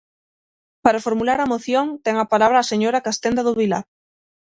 Para formular a moción, ten a palabra a señora Castenda do Vilar.